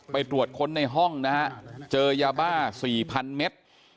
ไปตรวจค้นในห้องนะฮะเจอยาบ้า๔๐๐๐เมตร